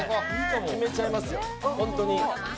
決めちゃいますよ、本当に。